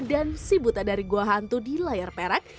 dan sibutan dari gua hantu di layar perak